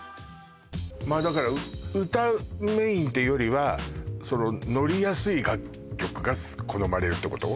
まあだから歌うメインっていうよりはそのノリやすい楽曲が好まれるってこと？